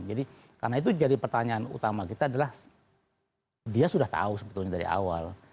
jadi karena itu jadi pertanyaan utama kita adalah dia sudah tahu sebetulnya dari awal